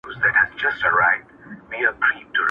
انصاف نه دی چي و نه ستایو دا امن مو وطن کي,